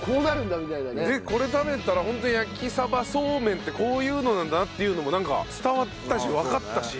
これ食べたらホントに焼鯖そうめんってこういうのなんだなっていうのもなんか伝わったしわかったし。